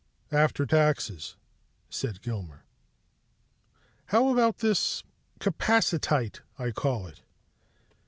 "After taxes," said Gilmer. "How about this capacitite, I call it?"